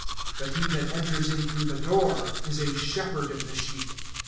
(2)But he that enters in through the door is a shepherd of the sheep.